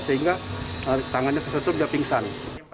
sehingga tangannya tersentuh dia pingsan